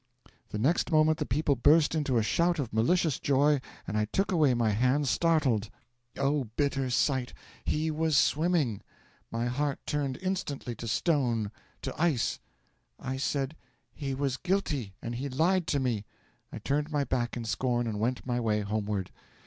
'The next moment the people burst into a shout of malicious joy, and I took away my hands, startled. Oh, bitter sight he was swimming! My heart turned instantly to stone, to ice. I said, "He was guilty, and he lied to me!" I turned my back in scorn and went my way homeward.